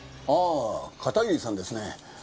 ああ片桐さんですね。